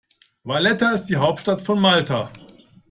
Valletta ist die Hauptstadt von Malta.